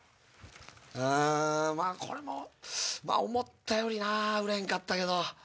まぁこれも思ったより売れへんかったけど。